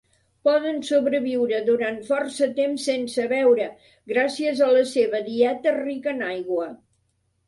Poden sobreviure durant força temps sense beure gràcies a la seva dieta rica en aigua.